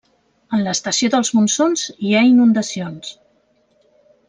En l'estació dels monsons hi ha inundacions.